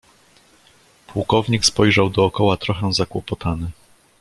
"Pułkownik spojrzał dokoła trochę zakłopotany."